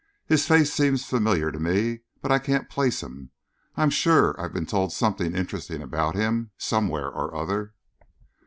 "His face seems familiar to me, but I can't place him. I'm sure I've been told something interesting about him, somewhere or other."